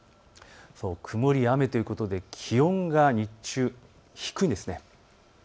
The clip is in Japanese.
曇りや雨ということで気温が日中、低いんです。